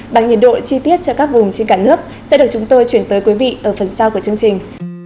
bằng nhiệt độ chi tiết cho các vùng trên cả nước sẽ được chúng tôi chuyển tới quý vị ở phần sau của chương trình